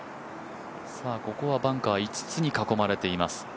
ここはバンカー５つに囲まれています。